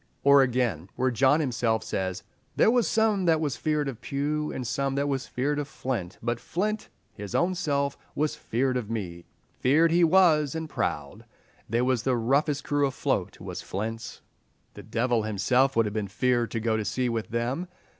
Or, again, where John himself says, "there was some that was feared of Pew, and some that was feared of Flint; but Flint his own self was feared of me. Feared he was, and proud. They was the roughest crew afloat was Flint's. The devil himself would have been feared to go to sea with them.